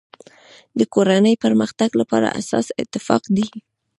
د کورنی د پرمختګ لپاره اساس اتفاق دی.